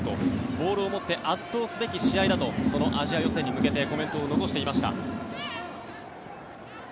ボールを持って圧倒すべき試合だとアジア予選に向けてコメントを残していました。